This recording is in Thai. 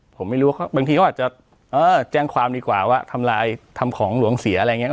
ผมไม่รู้ว่าบางทีเขาอาจจะแจ้งความดีกว่าว่าทำลายทำของหลวงเสียอะไรอย่างนี้